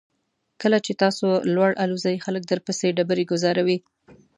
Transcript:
کله چې تاسو لوړ الوځئ خلک درپسې ډبرې ګوزاروي.